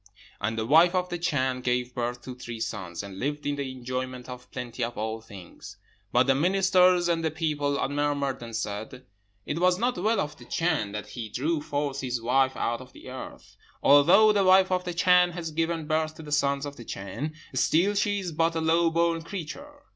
"And the wife of the Chan gave birth to three sons, and lived in the enjoyment of plenty of all things. But the ministers and the people murmured, and said, 'It was not well of the Chan that he drew forth his wife out of the earth. Although the wife of the Chan has given birth to the sons of the Chan, still she is but a low born creature.'